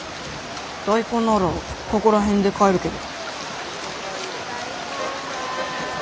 大根ならここら辺で買えるけど。